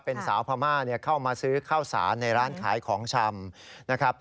เป็นสาวพม่าเข้ามาซื้อข้าวสารในร้านขายของชำนะครับ